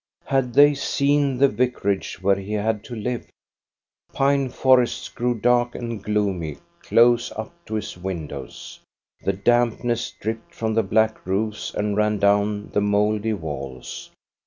Had they seen the vicarage where he had to live? Pine forests grew dark and gloomy close up to his windows. The dampness dripped from the black roofs and ran down the mouldy walls.